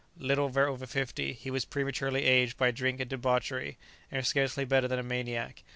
Little over fifty, he was prematurely aged by drink and debauchery, and scarcely better than a maniac.